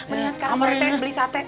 mendingan sekarang rete beli sate